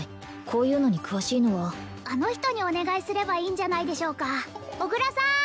こういうのに詳しいのはあの人にお願いすればいいんじゃないでしょうか小倉さーん！